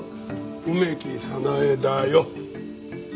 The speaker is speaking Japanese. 梅木早苗だよ。